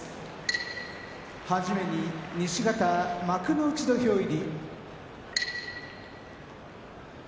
はじめに西方幕内土俵入り。